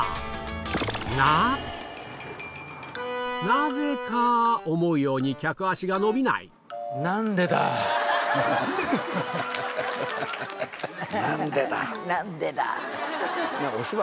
なぜか思うように客足が伸びないフフフハハハ！